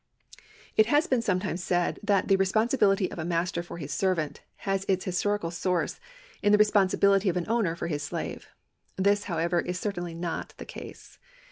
It has been sometimes said that the responsibility of a master for his servant has its historical source in the responsi bilily of an owner for his slave. This, however, is certainly not the case.